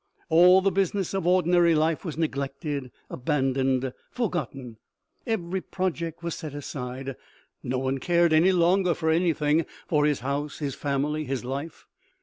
All the business of ordinary life was neglected, abandoned, forgotten ; every project was set aside. No one cared any longer for anything, for his house, his family, his life.